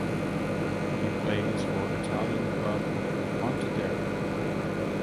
He plays for Italian club Pontedera.